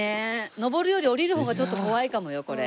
上るより下りる方がちょっと怖いかもよこれ。